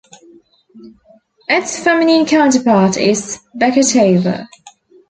Its feminine counterpart is Beketova.